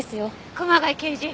熊谷刑事！